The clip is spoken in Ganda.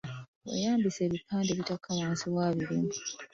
Weeyambise ebipande ebitakka wansi w’abiri.